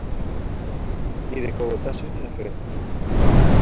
ni de cogotazos en la frente .